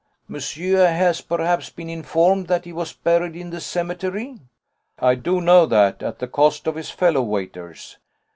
"Monsieur has perhaps been informed that he was buried in the cemetery?" "I do know that, at the cost of his fellow waiters."